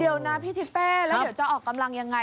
เดี๋ยวนะพี่ทิเป้แล้วเดี๋ยวจะออกกำลังยังไง